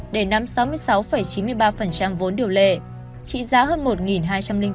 để nắm sáu mươi sáu chín mươi ba vốn điều lệ trị giá hơn một hai trăm linh bốn tỷ đồng